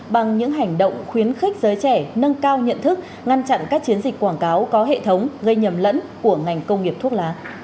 bằng những hành động khuyến khích giới trẻ nâng cao nhận thức ngăn chặn các chiến dịch quảng cáo có hệ thống gây nhầm lẫn của ngành công nghiệp thuốc lá